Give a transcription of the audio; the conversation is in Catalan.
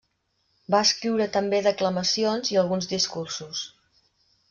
Va escriure també declamacions i alguns discursos.